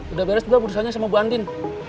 udah beres juga berusaha sama bu andien